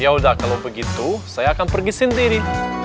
yaudah kalau begitu saya akan pergi sendiri